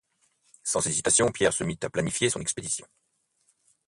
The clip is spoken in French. Sans hésitation, Pierre se mit à planifier son expédition.